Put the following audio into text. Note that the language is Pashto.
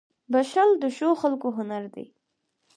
• بښل د ښو خلکو هنر دی.